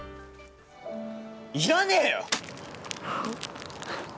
いらねえよ！